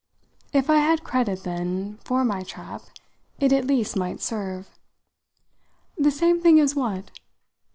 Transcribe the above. If I had credit then for my trap it at least might serve. "The same thing as what?"